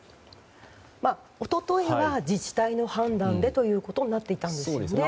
一昨日は自治体の判断でということになっていたんですよね。